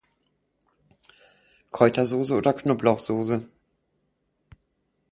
Kräutersoße oder Knoblauchsoße?